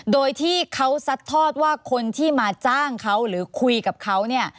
โดยที่เขาซัดทอดว่าคนที่มาจ้างเขาหรือคุยกับเขาเนี่ย